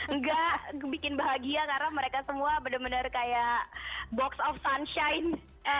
enggak bikin bahagia karena mereka semua bener bener kayak box of sunshinese